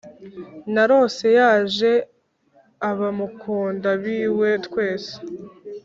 narose yaje abamukunda b’iwe twese